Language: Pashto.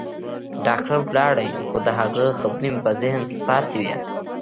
ډاکتر ولاړ خو د هغه خبرې مې په ذهن کښې پاتې وې.